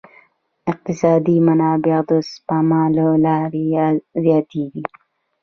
اقتصادي منابع د سپما له لارې زیاتیږي.